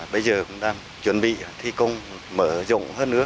bây giờ cũng đang chuẩn bị thi công mở rộng hơn nữa